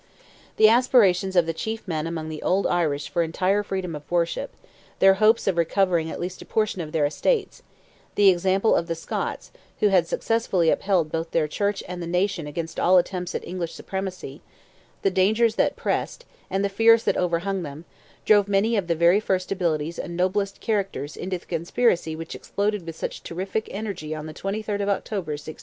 The aspirations of the chief men among the old Irish for entire freedom of worship, their hopes of recovering at least a portion of their estates, the example of the Scots, who had successfully upheld both their Church and nation against all attempts at English supremacy, the dangers that pressed, and the fears that overhung them, drove many of the very first abilities and noblest characters into the conspiracy which exploded with such terrific energy on the 23rd of October, 1641.